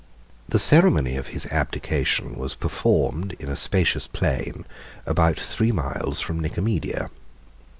—M.] The ceremony of his abdication was performed in a spacious plain, about three miles from Nicomedia.